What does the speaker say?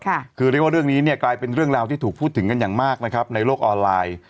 เรียกว่าเรื่องนี้กลายเป็นเรื่องราวที่ถูกพูดถึงกันอย่างมากในโลกออนไลน์